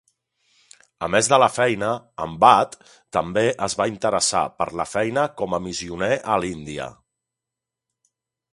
A més de la feina, en Watt també es va interessar per la feina com a missioner a l'índia.